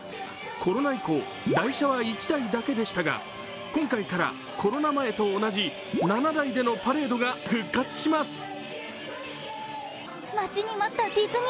コロナ以降、台車は１台だけでしたが今回からコロナ前と同じ７台でのパレードが復活します。